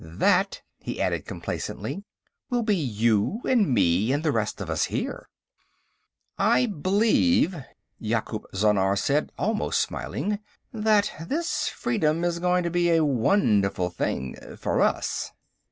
That," he added complacently, "will be you and me and the rest of us here." "I believe," Yakoop Zhannar said, almost smiling, "that this freedom is going to be a wonderful thing. For us."